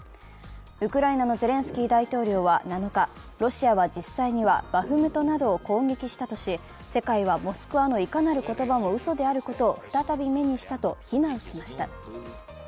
ウクライナのゼレンスキー大統領は７日、ロシアは実際にはバフムトなどを攻撃したとし世界はモスクワのいかなる言葉もうそであることを再び目にしたと非難しました。